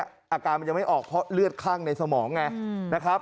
อาการมันยังไม่ออกเพราะเลือดคั่งในสมองไงนะครับ